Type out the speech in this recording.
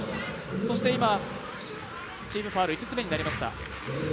今、チームファウル５つ目になりました。